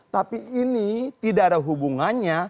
tapi ini tidak ada hubungannya